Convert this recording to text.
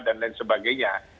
dan lain sebagainya